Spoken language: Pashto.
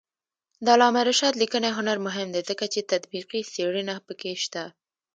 د علامه رشاد لیکنی هنر مهم دی ځکه چې تطبیقي څېړنه پکې شته.